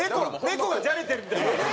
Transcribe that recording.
猫がじゃれてるみたいな。